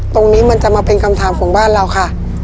ตรงนี้มันจะมาเป็นคำถามของบ้านเราค่ะ